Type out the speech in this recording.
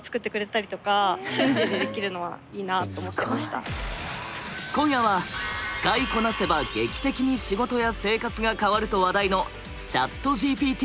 皆さんは今夜は使いこなせば「劇的に仕事や生活が変わる！？」と話題のＣｈａｔＧＰＴを徹底解説！